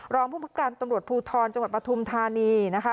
รองภูมิเกณฑ์การตำลวจภูทรเช้าหวัดปฐุมธานีนะคะ